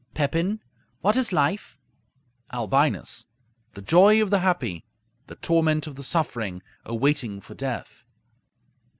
Pepin What is life? Albinus The joy of the happy; the torment of the suffering; a waiting for death.